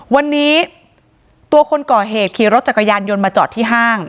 วันนี้ตัวคนก่อเหตุขี่รถจักรยานยนต์มาจอดที่ห้าง